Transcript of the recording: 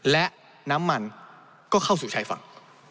และน้ำมันก็เข้าสู่ชายฝั่ง